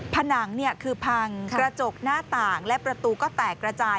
ผนังคือพังกระจกหน้าต่างและประตูก็แตกระจาย